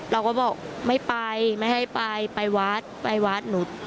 เราก็บอกไม่ไปไม่ให้ไปไปวัดไปวัดหนู